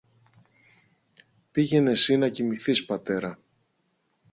Πήγαινε συ να κοιμηθείς, πατέρα